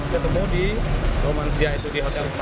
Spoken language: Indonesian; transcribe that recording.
ketemu di romansiyah di hotel